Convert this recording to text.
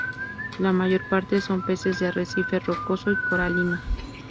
La mayor parte son peces de arrecife rocoso y coralino.